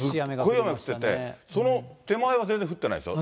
すごい雨降ってて、その手前は全然降ってないんですよ。